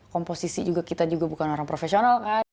komposisi juga kita juga bukan orang profesional kan